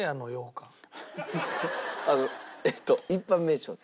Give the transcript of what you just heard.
あのえーっと一般名称です。